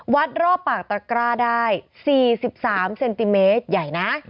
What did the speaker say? รอบปากตะกร้าได้๔๓เซนติเมตรใหญ่นะ